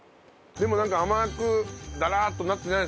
でもなんか甘くダラーっとなってないですよね。